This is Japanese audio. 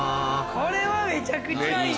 これはめちゃくちゃいい。